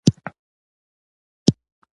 ملخان فصلونو ته زیان رسوي.